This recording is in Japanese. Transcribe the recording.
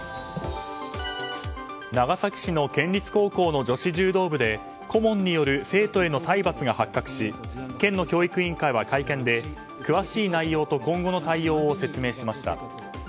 長崎市の県立高校の女子柔道部で顧問による生徒への体罰が発覚し県の教育委員会は会見で詳しい内容と今後の対応を説明しました。